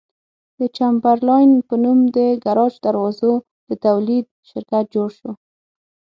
د چمبرلاین په نوم د ګراج دروازو د تولید شرکت جوړ شو.